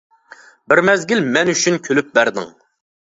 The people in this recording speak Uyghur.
بىر مەزگىل مەن ئۈچۈن كۈلۈپ بەردىڭ.